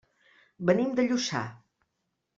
Venim de Lluçà.